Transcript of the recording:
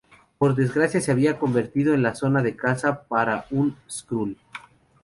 Por desgracia, se había convertido en la zona de caza para un Skrull.